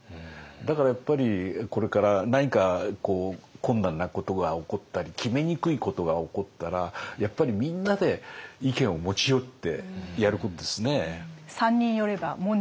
だからやっぱりこれから何か困難なことが起こったり決めにくいことが起こったらやっぱりみんなで意見を持ち寄ってやることですね。